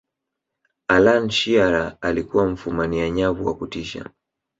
allan shearer alikuwa mfumania nyavu wa kutisha